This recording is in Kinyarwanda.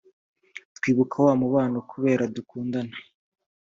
twibuka wa mubabano kubera dukundana